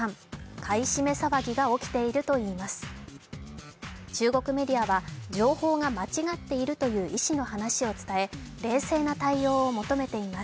買い占め騒ぎが起きているといいます。